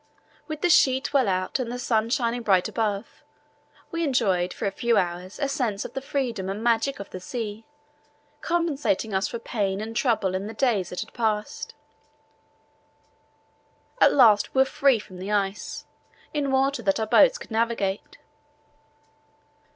With the sheet well out and the sun shining bright above, we enjoyed for a few hours a sense of the freedom and magic of the sea, compensating us for pain and trouble in the days that had passed. At last we were free from the ice, in water that our boats could navigate.